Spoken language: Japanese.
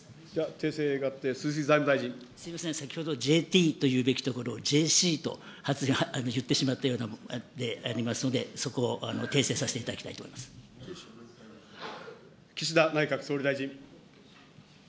訂正があって、すみません、先ほどＪＴと言うべきところを、ＪＣと言ってしまったようでありますので、そこを訂正させていた岸田内閣総理大臣。